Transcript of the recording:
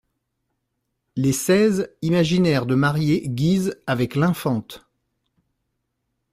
Les Seize imaginèrent de marier Guise avec l'infante.